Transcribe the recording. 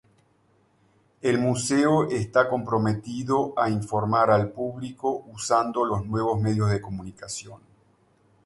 El museo está comprometido a informar al público usando los nuevos medios de comunicación.